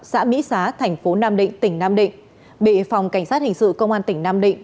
xã mỹ xá tp nam định tỉnh nam định bị phòng cảnh sát hình sự công an tp nam định